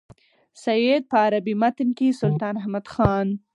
سید په عربي متن کې سلطان احمد خان.